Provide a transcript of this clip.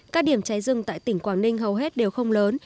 các điểm cháy rừng tại tỉnh quảng ninh hầu hết đều không lớn